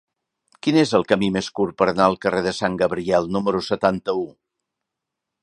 Quin és el camí més curt per anar al carrer de Sant Gabriel número setanta-u?